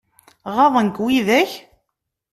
Ɣaḍen-k widak?